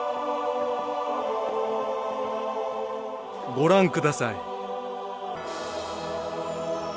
ご覧下さい。